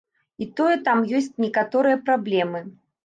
І тое, там ёсць некаторыя праблемы.